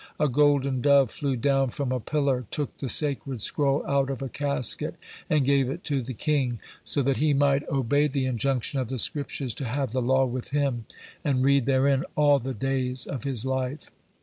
A golden dove flew down from a pillar, took the sacred scroll out of a casket, and gave it to the king, so that he might obey the injunction of the Scriptures, to have the law with him and read therein all the days of his life.